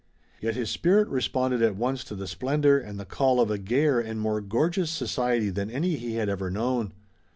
Yet his spirit responded at once to the splendor and the call of a gayer and more gorgeous society than any he had ever known.